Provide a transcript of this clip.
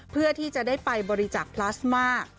เพื่อที่จะได้ไปบริจักษ์พลาสมา